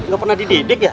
gak pernah dididik ya